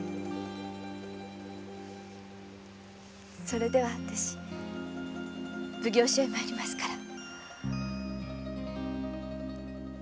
それではわたし奉行所へ参りますから。